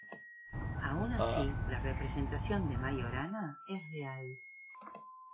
Aun así la representación de Majorana es real.